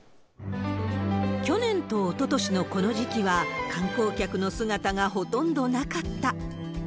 去年とおととしのこの時期は、観光客の姿がほとんどなかった。